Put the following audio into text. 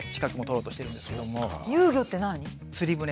遊漁って何？